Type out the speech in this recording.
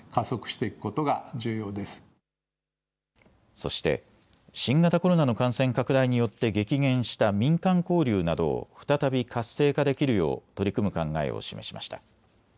そして新型コロナの感染拡大によって激減した民間交流などを再び活性化できるよう取り組む考えを示しました。